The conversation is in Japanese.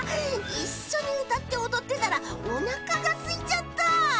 いっしょにうたっておどってたらおなかがすいちゃった！